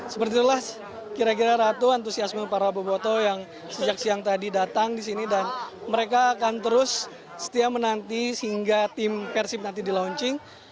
seperti itulah kira kira ratu antusiasme para boboto yang sejak siang tadi datang di sini dan mereka akan terus setia menanti sehingga tim persib nanti di launching